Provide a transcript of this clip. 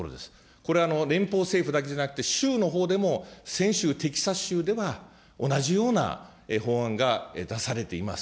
これは連邦政府だけじゃなくて州のほうでも先週、テキサス州では、同じような法案が出されています。